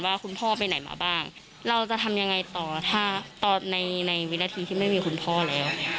ว่าคุณพ่อไปไหนมาบ้างเราจะทำยังไงต่อถ้าตอนในในวินาทีที่ไม่มีคุณพ่อแล้ว